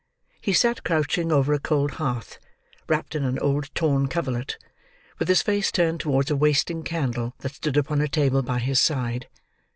He sat crouching over a cold hearth, wrapped in an old torn coverlet, with his face turned towards a wasting candle that stood upon a table by his side.